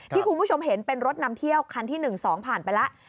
ที่คุณผู้ชมเห็นเป็นรถนำเที่ยวคันที่๑๒ผ่านไปแล้ว